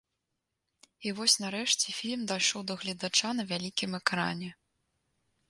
І вось нарэшце фільм дайшоў да гледача на вялікім экране.